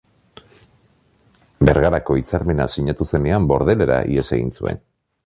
Bergarako hitzarmena sinatu zenean Bordelera ihes egin zuen.